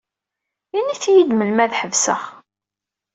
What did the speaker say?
Init-yi-d melmi ad ḥebseɣ.